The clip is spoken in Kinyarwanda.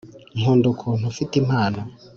nkunda ukuntu ufite impano